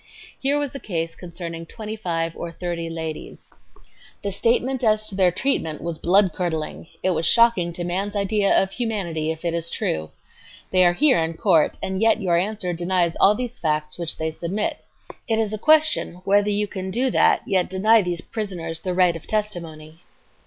"Here was a case concerning twenty five or thirty ladies. The statement as to their treatment was bloodcurdling; it was shocking to man's ideas of humanity if it is true. They are here in court, and yet your answer denies all these facts which they submit, It is a question whether you can do that anal yet deny these petitioners the right of testimony."